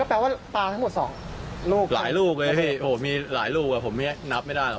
แปลว่าปลาทั้งหมดสองลูกหลายลูกเลยพี่โอ้มีหลายลูกอ่ะผมไม่นับไม่ได้หรอก